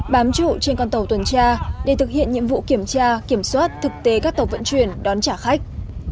bám trụ trên con tàu tuần tra để thực hiện nhiệm vụ kiểm tra kiểm soát thực tế các tàu vận chuyển đón trả khách